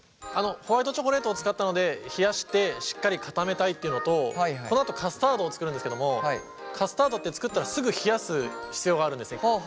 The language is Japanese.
ホワイトチョコレートを使ったので冷やしてしっかり固めたいっていうのとこのあとカスタードを作るんですけどもカスタードって作ったらすぐ冷やす必要があるんですね。